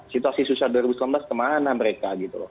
situasi susah dua ribu empat belas kemana mereka